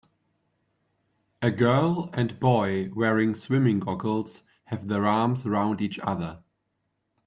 A girl and boy wearing swimming goggles have their arms around each other.